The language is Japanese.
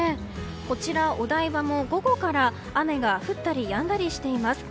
こちら、お台場も午後から雨が降ったりやんだりしています。